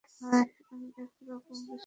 আমি এরকম কিছু বুঝাই নি।